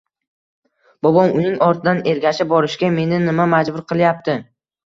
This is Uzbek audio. Bobom! Uning ortidan ergashib borishga meni nima majbur qilyapti?